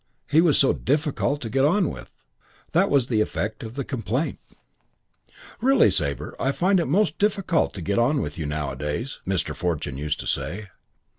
He was so difficult to get on with: that was the effect of the complaint. "Really, Sabre, I find it most difficult to get on with you nowadays," Mr. Fortune used to say.